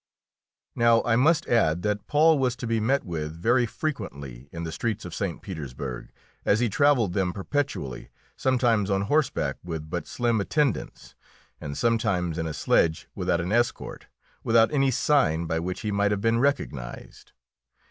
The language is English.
Now, I must add that Paul was to be met with very frequently in the streets of St. Petersburg, as he travelled them perpetually, sometimes on horseback with but slim attendance, and sometimes in a sledge without an escort, without any sign by which he might have been recognised.